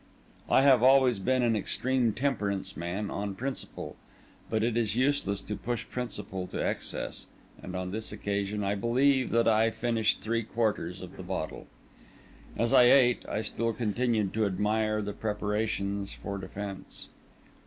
I have always been an extreme temperance man on principle; but it is useless to push principle to excess, and on this occasion I believe that I finished three quarters of the bottle. As I ate, I still continued to admire the preparations for defence.